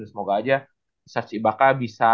semoga aja serge ibaka bisa